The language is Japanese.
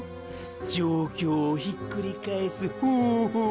状況をひっくり返す方法を。